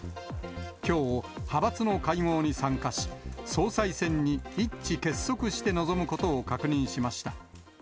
きょう、派閥の会合に参加し、総裁選に一致結束して臨むことを確認しました。